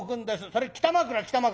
それ北枕北枕。